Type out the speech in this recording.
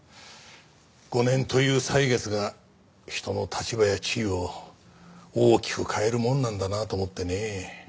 ５年という歳月が人の立場や地位を大きく変えるもんなんだなと思ってねえ。